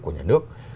của nhà nước